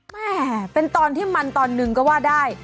แม่เป็นตอนที่มันตอนหนึ่งก็ว่าได้